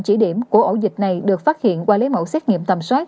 chỉ điểm của ổ dịch này được phát hiện qua lấy mẫu xét nghiệm tầm soát